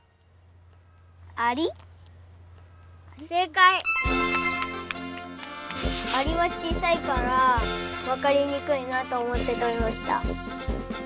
アリはちいさいからわかりにくいなとおもってとりました。